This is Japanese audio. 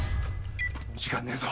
時間ねえぞ。